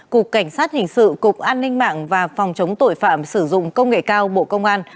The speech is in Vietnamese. cục cảnh sát hình sự cục an ninh mạng và phòng chống tội phạm sử dụng công nghệ cao bộ công an